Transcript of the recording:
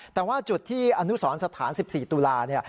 แต่ว่าจุดที่อนุสรสถาน๑๔ตุลาเนี่ย